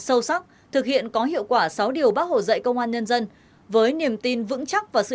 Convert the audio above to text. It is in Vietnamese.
sâu sắc thực hiện có hiệu quả sáu điều bác hồ dạy công an nhân dân với niềm tin vững chắc và sự